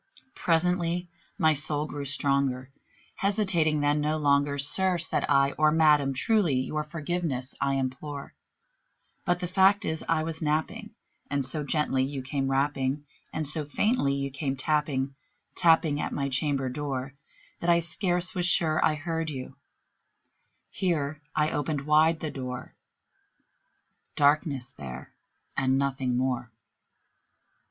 Presently my soul grew stronger; hesitating then no longer, "Sir," said I, "or Madam, truly your forgiveness I implore; But the fact is I was napping, and so gently you came rapping, And so faintly you came tapping tapping at my chamber door, That I scarce was sure I heard you" here I opened wide the door: Darkness there and nothing more.